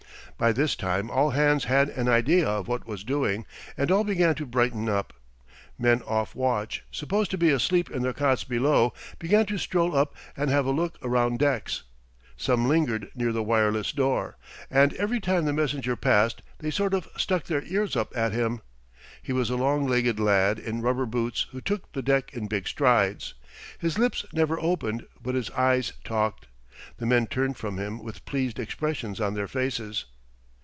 '" By this time all hands had an idea of what was doing and all began to brighten up. Men off watch, supposed to be asleep in their cots below, began to stroll up and have a look around decks. Some lingered near the wireless door, and every time the messenger passed they sort of stuck their ears up at him. He was a long legged lad in rubber boots who took the deck in big strides. His lips never opened, but his eyes talked. The men turned from him with pleased expressions on their faces.